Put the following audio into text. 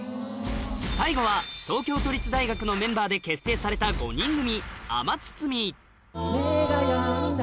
最後は東京都立大学のメンバーで結成された５人組